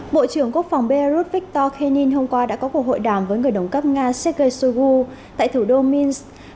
bộ trưởng quốc phòng belarus victor kenin hôm qua đã có cuộc hội đàm với người đồng cấp nga sergei shoigu tại thủ đô minsk